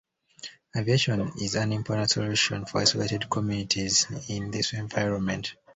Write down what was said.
Aviation is an important solution for isolated communities in this environment.